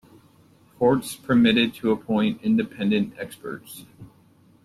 Courts permitted to appoint independent experts.